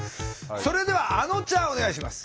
それではあのちゃんお願いします！